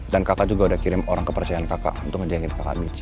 dan kakak juga udah kirim orang kepercayaan kakak untuk ngejagain kakak mici